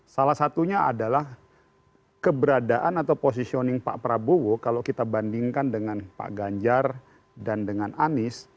salah satunya adalah keberadaan atau positioning pak prabowo kalau kita bandingkan dengan pak ganjar dan dengan anies